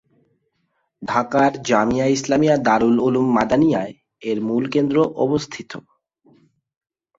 ঢাকার জামিয়া ইসলামিয়া দারুল উলুম মাদানিয়ায় এর মূল কেন্দ্র অবস্থিত।